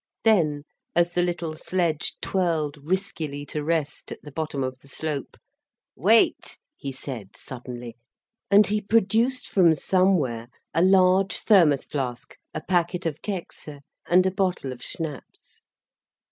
Then, as the little sledge twirled riskily to rest at the bottom of the slope, "Wait!" he said suddenly, and he produced from somewhere a large thermos flask, a packet of Keks, and a bottle of Schnapps.